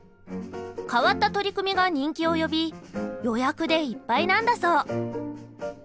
変わった取り組みが人気を呼び予約でいっぱいなんだそう。